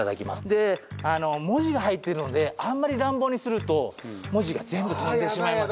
で文字が入ってるのであんまり乱暴にすると文字が全部飛んでしまいます。